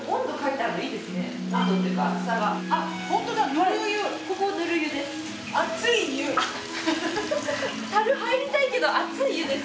たる入りたいけど熱い湯です。